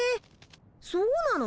そうなの？